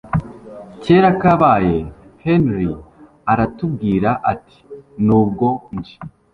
kera kabaye Henry aratubwira ati nubwo nje